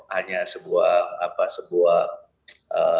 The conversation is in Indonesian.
hanya sebuah banner saja